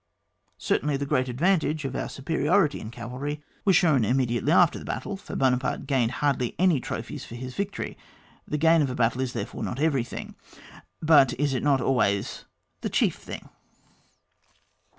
Certainly the great advantage of our su periority in cavalry was shown imme CHAP, v.] ORDER OF BATTLE OF AN ARMY, 11 diatelj after the battle^ for Buonaparte gained hardly any trophies by his vic tory. The gain of a battle is therefore not everything, — but is it not always the chief thing